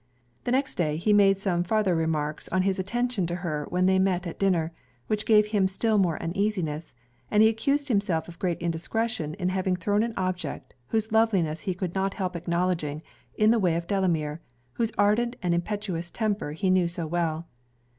The next day, he made some farther remarks on his attention to her when they met at dinner, which gave him still more uneasiness; and he accused himself of great indiscretion in having thrown an object, whose loveliness he could not help acknowledging, in the way of Delamere, whose ardent and impetuous temper he knew so well.